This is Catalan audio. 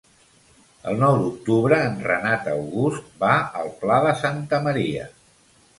El nou d'octubre en Renat August va al Pla de Santa Maria.